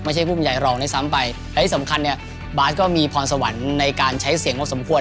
ไม่ใช่ผู้บรรยายรองได้ซ้ำไปและที่สำคัญบาสก็มีพรสวรรค์ในการใช้เสียงพอสมควร